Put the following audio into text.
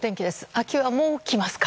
秋はもう来ますか？